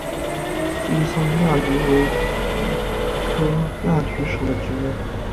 西藏亚菊为菊科亚菊属的植物。